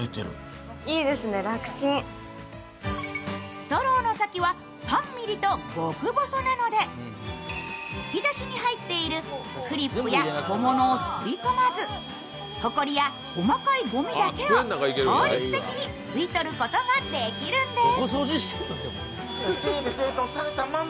ストローの先は３ｍｍと極細なので、引き出しに入っているクリップや小物を吸い込まずほこりや細かいごみだけを効率的に吸い取ることができるんです。